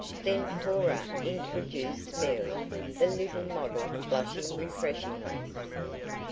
Then Cora introduced Mary, the little model blushing refreshingly.